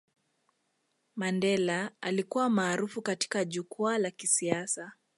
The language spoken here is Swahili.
mandela alikuwa maarufu katika jukwaa la kisiasa